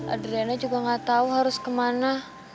adriana juga gak tau harus kemana